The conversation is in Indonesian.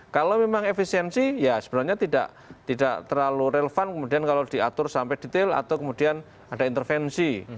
kalau memang efisiensi ya sebenarnya tidak terlalu relevan kemudian kalau diatur sampai detail atau kemudian ada intervensi